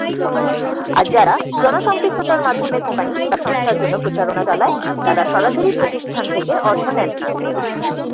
আর যারা জন সম্পৃক্ততার মাধ্যমে কোম্পানি বা সংস্থার জন্য প্রচারণা চালায়, তারা সরাসরি প্রতিষ্ঠান থেকে অর্থ নেন না।